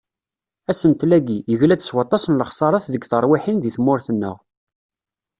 Asentel-agi, yegla-d s waṭas n lexsarat deg terwiḥin di tmurt-nneɣ.